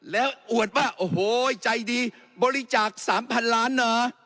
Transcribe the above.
แล้วอวดว่าโอ้โหใจดีบริจาค๓๐๐๐ล้านนะ